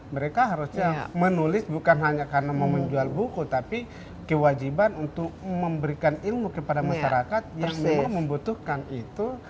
mereka harusnya menulis bukan hanya karena mau menjual buku tapi kewajiban untuk memberikan ilmu kepada masyarakat yang memang membutuhkan itu